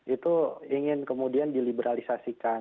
itu ingin kemudian diliberalisasikan